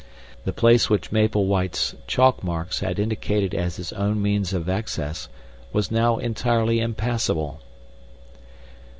The place which Maple White's chalk marks had indicated as his own means of access was now entirely impassable.